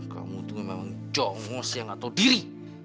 kamu itu memang jongos ya gak tahu diri